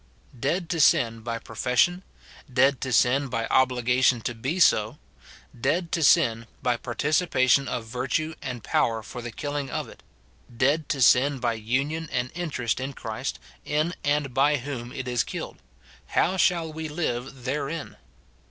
—" Dead to sin by profession ; dead to sin by obligation to be so ; dead to sin by participation of virtue and power for the killing of it ; dead to sin by union and interest in Christ, in and by whom it is killed : how shall we live therein